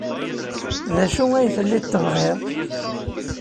D acu ay telliḍ tebɣiḍ?